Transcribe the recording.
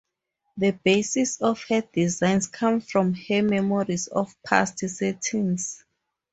The basis of her designs comes from her memories of past settings.